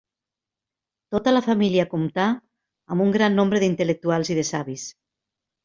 Tota la família comptà amb un gran nombre d'intel·lectuals i de savis.